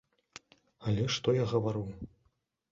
Але што я гэта гавару?